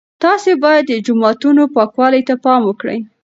تاسي باید د جوماتونو پاکوالي ته پام وکړئ.